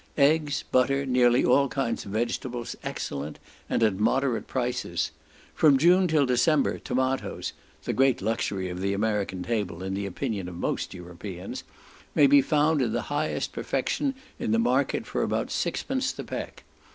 Eggs, butter, nearly all kinds of vegetables, excellent, and at moderate prices. From June till December tomatoes (the great luxury of the American table in the opinion of most Europeans) may be found in the highest perfection in the market for about sixpence the peck.